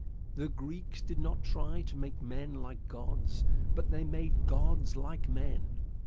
The Greeks did not try to make men like gods, but they made gods like men.